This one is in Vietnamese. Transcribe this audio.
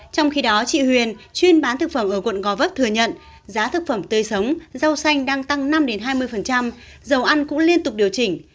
trong khi đó chị huyền chuyên bán thực phẩm ở quận gò vấp thừa nhận giá thực phẩm tươi sống rau xanh đang tăng năm hai mươi dầu ăn cũng liên tục điều chỉnh